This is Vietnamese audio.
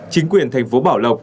chính quyền thành phố bảo lộc